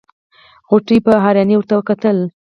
غوټۍ په حيرانۍ ورته کتل.